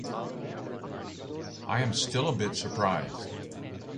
I am still a bit surprised.